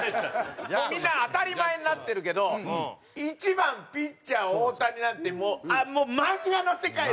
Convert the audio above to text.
もうみんな当たり前になってるけど１番ピッチャー大谷なんてもう漫画の世界でしかなかった事だから。